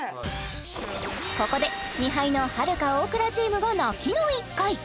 ここで２敗のはるか・大倉チームが泣きの１回！